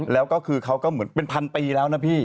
แล้วก็คือเขาก็เหมือนเป็นพันปีแล้วนะพี่